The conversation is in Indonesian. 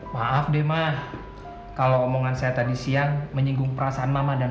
maaf deh mah kalau omongan saya tadi siang menyinggung perasaan mama dan